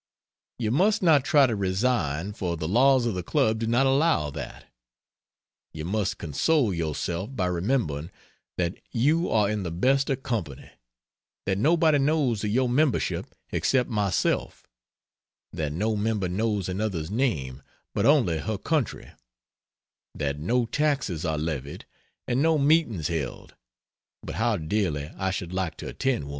You must not try to resign, for the laws of the Club do not allow that. You must console yourself by remembering that you are in the best of company; that nobody knows of your membership except myself that no Member knows another's name, but only her country; that no taxes are levied and no meetings held (but how dearly I should like to attend one!).